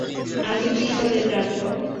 আমি কী করে জানবো?